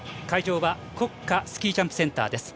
会場は国家スキージャンプセンター。